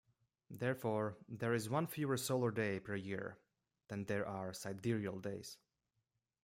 Therefore, there is one fewer solar day per year than there are sidereal days.